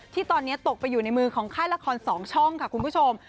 ที่ตอนนี้ตกไปอยู่ในมือของค่ายละคร๒ช่องค่ะคุณผู้ชม